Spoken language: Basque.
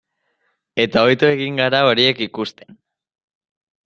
Eta ohitu egin gara horiek ikusten.